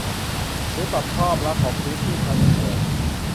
หรือปรับภาพลักษณ์ของพื้นที่ชั้นในเมือง